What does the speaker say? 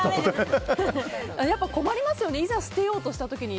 困りますよねいざ捨てようとした時に。